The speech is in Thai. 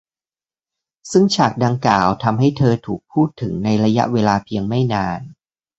ซึ่งฉากดังกล่าวทำให้เธอถูกพูดถึงในระยะเวลาเพียงไม่นาน